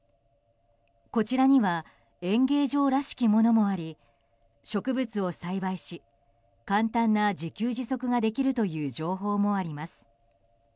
こちらには園芸場らしきものもあり植物を栽培し、簡単な自給自足もできるという情報もあります。